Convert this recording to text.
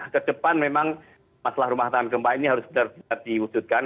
ke depan memang masalah rumah tembok ini harus diwujudkan